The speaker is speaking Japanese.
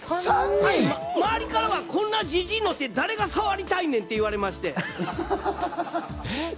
周りからはこんなジジイの手、誰が触りたいねんって言われまして。